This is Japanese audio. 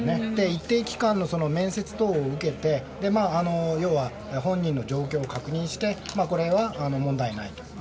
一定期間の面接等を受けて要は本人の状況を確認してこれは問題ないと。